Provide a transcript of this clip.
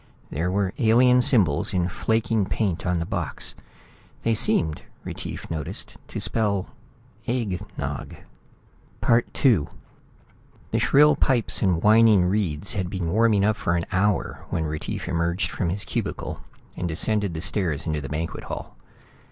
There were alien symbols in flaking paint on the box. They seemed, Retief noticed, to spell "egg nog." II The shrill pipes and whining reeds had been warming up for an hour when Retief emerged from his cubicle and descended the stairs to the banquet hall.